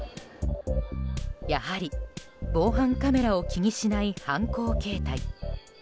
やはり、防犯カメラを気にしない犯行形態。